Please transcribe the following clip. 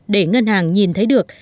để ngân hàng nhìn thấy được